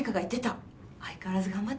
相変わらず頑張ってるのね。